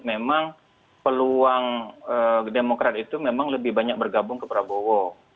memang peluang demokrat itu memang lebih banyak bergabung ke prabowo